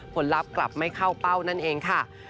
ลับกลับไม่เข้าเป้านั่นเองค่ะ